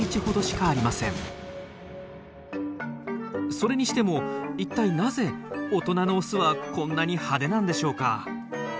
それにしても一体なぜ大人のオスはこんなに派手なんでしょうか？